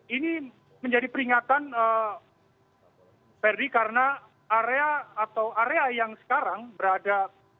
ini menjadi peringatan ferdi karena area yang sekarang berada